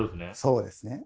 そうですね。